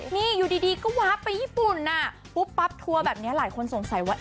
นี่อยู่ดีก็วาบไปญี่ปุ่นปุ๊บปั๊บทัวร์แบบนี้หลายคนสงสัยว่า